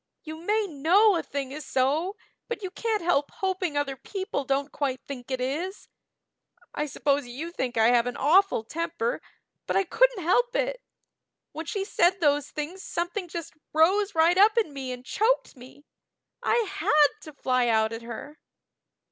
"You may know a thing is so, but you can't help hoping other people don't quite think it is. I suppose you think I have an awful temper, but I couldn't help it. When she said those things something just rose right up in me and choked me. I had to fly out at her."